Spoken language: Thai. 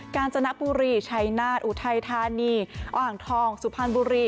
กาญจนกบุรีชัยนาศอุทัยธานีอ่อห่างทองสุภัณฑ์บุรี